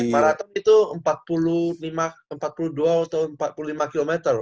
maraton itu empat puluh dua atau empat puluh lima km